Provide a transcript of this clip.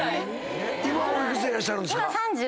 今お幾つでいらっしゃるんですか？